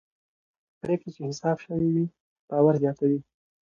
پرېکړې چې حساب شوي وي باور زیاتوي